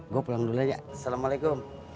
gue pulang dulu aja assalamualaikum